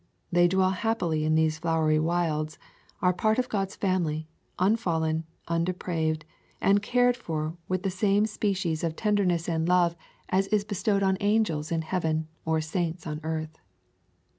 They dwell happily in these flowery wilds, are part of God's family, unfallen, un depraved, and cared for with the same species [ 98 ] Florida Swamps and Forests of tenderness and love as is bestowed on angels in heaven or saints on earth.